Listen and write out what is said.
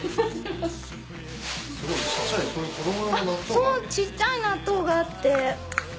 そうちっちゃい納豆があって。